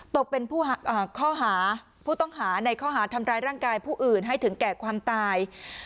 ตกเป็นผู้ต้องหาผู้ต้องหาในข้อหาทำร้ายร่างกายผู้อื่นให้ถึงแก่ความตาย